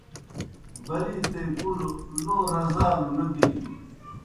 بَرِیتے کُلوْ لو رزالوْ نہ بِینو۔